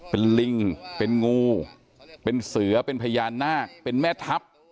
เป็นลิงเป็นงูเป็นเสือเป็นพญานาคเป็นแม่ทัพ